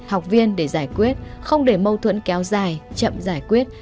học viên để giải quyết không để mâu thuẫn kéo dài chậm giải quyết